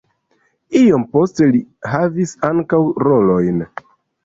Iom poste li havis ankaŭ rolojn.